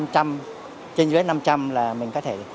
trên dưới năm trăm linh là mình có thể